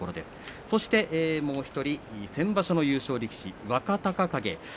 そして、もう１人先場所の優勝力士の若隆景。